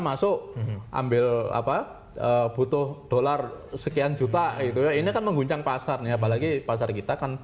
masuk ambil apa butuh dolar sekian juta itu ya ini kan mengguncang pasar ya apalagi pasar kita kan